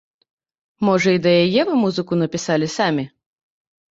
Можа, і да яе вы музыку напісалі самі?